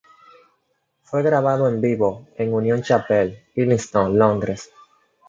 Fue grabado en vivo en Union Chapel, Islington, Londres.